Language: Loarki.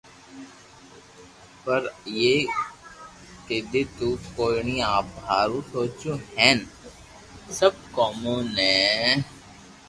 پر اپي ڪدي بو ڪوئئي آپ ھاارون سوچو ھين سب ڪومون نر